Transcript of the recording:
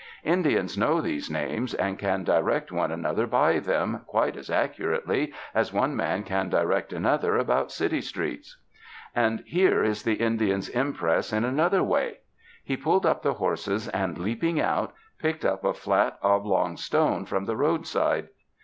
Indians know these names and can direct one another by them quite as accurately as one man can direct another about city streets. "And here is the Indian's impress in another way;" he pulled up the horses and, leaping out, picked up a flat, oblong stone from the roadside.